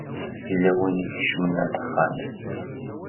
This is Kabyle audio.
Yella win i ikecmen ar texxamt.